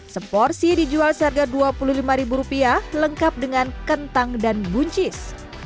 seporsi dijual seharga dua puluh lima lengkap dengan kentang dan buncis